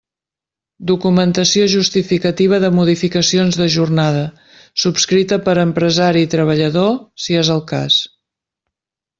Documentació justificativa de modificacions de jornada, subscrita per empresari i treballador, si és el cas.